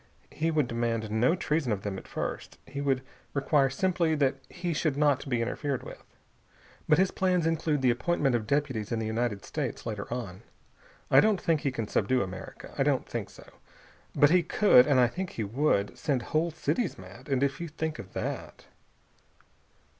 He would demand no treason of them at first. He would require simply that he should not be interfered with. But his plans include the appointment of deputies in the United States later on. I don't think he can subdue America. I don't think so. But he could and I think he would send whole cities mad. And if you think of that...."